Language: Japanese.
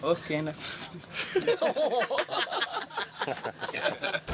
ハハハハ。